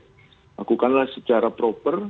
lakukanlah secara proper